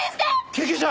救急車！